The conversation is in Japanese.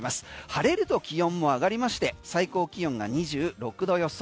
晴れると気温も上がりまして最高気温が２６度予想。